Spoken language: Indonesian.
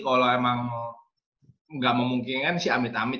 kalau emang gak memungkinkan sih amit amit